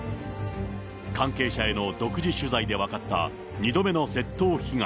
関係者への独自取材で分かった、２度目の窃盗被害。